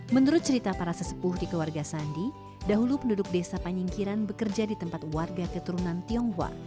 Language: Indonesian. menurut cerita para sesepuh di keluarga sandi dahulu penduduk desa panyingkiran bekerja di tempat warga keturunan tionghoa